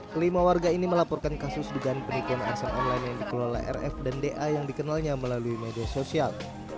kelima warga ini melaporkan kasus dugaan penipuan arsen online yang dikelola rf dan da yang dikenalnya melalui media sosial